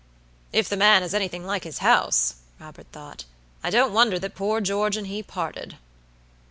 "If the man is anything like his house," Robert thought, "I don't wonder that poor George and he parted."